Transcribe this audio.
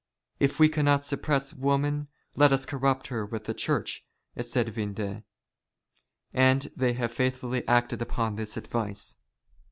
"If we cannot suppress woman let us corrupt her with the Church," said Vindex, and they have faithfully acted upon this advice.